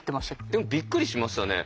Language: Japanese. でもびっくりしましたね。